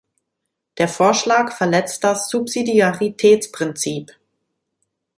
Der Vorschlag verletzt das Subsidiaritätsprinzip.